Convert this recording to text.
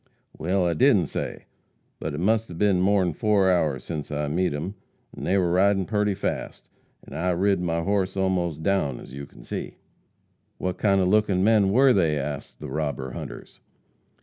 "Well, I didn't say, but it must be more'n two hours since I met 'em, an' they were a ridin' purty fast, an' I've rid my hoss almost down, as you can see." "What kind of looking men were they?" asked the robber hunters.